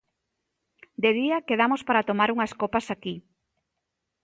De día quedamos para tomar unhas copas aquí.